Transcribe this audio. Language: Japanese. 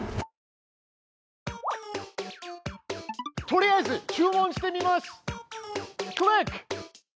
とりあえず注文してみます！クリック！